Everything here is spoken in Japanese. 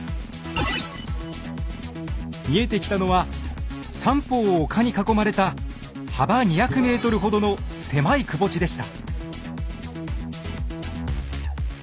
見えてきたのは三方を丘に囲まれた幅２００ｍほどの狭いくぼ地でした。